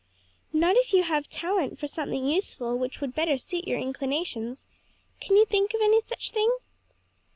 "Not if you have talent for something useful which would better suit your inclinations. Can you think of any such thing?"